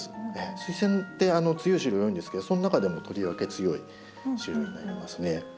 スイセンって強い種類多いんですけどその中でもとりわけ強い種類になりますね。